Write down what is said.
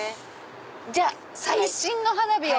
じゃあ最新の花火を。